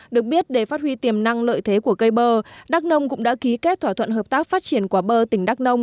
được biết để phát huy tiềm năng lợi thế của cây bơ đắk nông cũng đã ký kết thỏa thuận hợp tác phát triển quả bơ tỉnh đắk nông